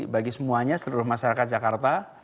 bagi semuanya seluruh masyarakat jakarta